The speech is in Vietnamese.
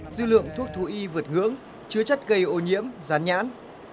dư lượng thuốc thú y vượt ngưỡng chứa chất gây ô nhiễm rán nhãn